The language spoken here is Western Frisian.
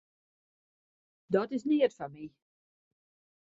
Dat is neat foar my.